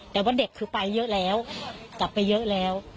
แต่ว่าเด็กคือไปเยอะแล้วกลับไปเยอะแล้ว